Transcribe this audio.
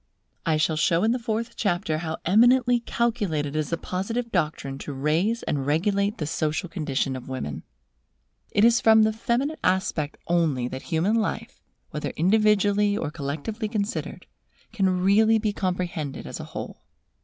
I shall show in the fourth chapter how eminently calculated is the Positive doctrine to raise and regulate the social condition of women. It is from the feminine aspect only that human life, whether individually or collectively considered, can really be comprehended as a whole.